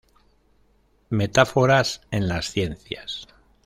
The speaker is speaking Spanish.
Metáforas en las ciencias.